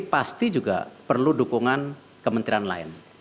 pasti juga perlu dukungan kementerian lain